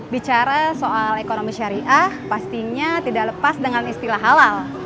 bicara soal ekonomi syariah pastinya tidak lepas dengan istilah halal